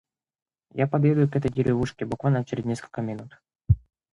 Я подъеду к этой деревушке буквально через несколько минут.